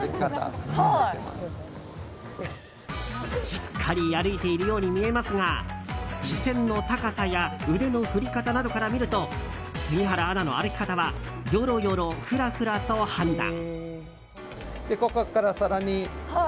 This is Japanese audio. しっかり歩いているように見えますが視線の高さや腕の振り方などから見ると杉原アナの歩き方はよろよろ・ふらふらと判断。